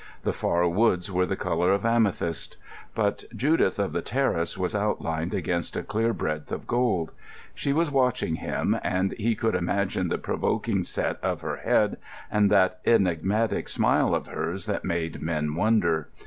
The far woods were the colour of amethyst. But Judith of the terrace was outlined against a clear breadth of gold. She was watching him, and he could imagine the provoking set of her head, and that enigmatic smile of hers that made men wonder.